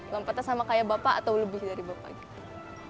lompatnya sama kayak bapak atau lebih dari bapak gitu